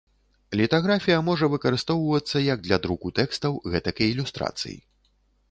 Літаграфія можа выкарыстоўвацца як для друку тэкстаў, гэтак і ілюстрацый.